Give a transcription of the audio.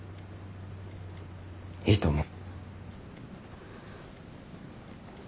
いいと思う。